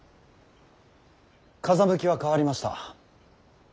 風向きは変わりました。